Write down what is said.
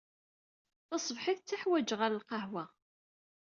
Tasebḥit, ttaḥwaǧeɣ ar lqahwa.